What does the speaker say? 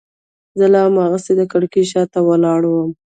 زه لا هماغسې د کړکۍ شاته ولاړ وم.